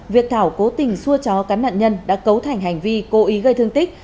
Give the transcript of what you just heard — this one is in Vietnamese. việc thảo cố tình xua chó cắn nạn nhân đã cấu thành hành vi cố ý gây thương tích